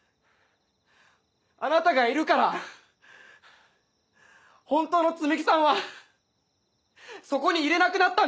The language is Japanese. あなたがいるから本当の摘木さんはそこにいれなくなったんです。